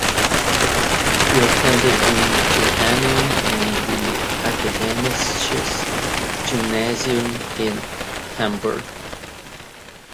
He attended the Johanneum and the Akademisches Gymnasium in Hamburg.